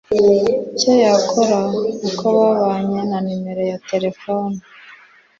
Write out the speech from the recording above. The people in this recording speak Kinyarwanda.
icyo bakora, uko babanye na numero ya telefoni).